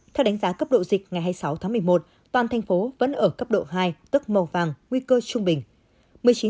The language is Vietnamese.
theo đánh giá cấp độ dịch ngày hai mươi sáu tháng một mươi một toàn thành phố vẫn ở cấp độ hai tức màu vàng nguy cơ trung bình